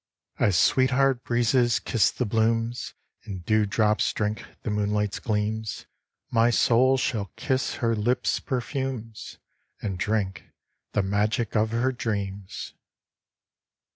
As sweetheart breezes kiss the blooms, And dewdrops drink the moonlight's gleams, My soul shall kiss her lips' perfumes, And drink the magic of her dreams.